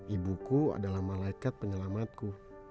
ibu ku adalah malaikat penyelamatku